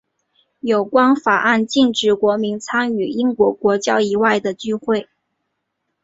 有关法案禁止国民参与英国国教以外的聚会。